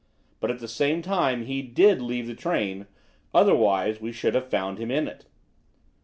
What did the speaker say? But, at the same time, he did leave the train, otherwise we should have found him in it."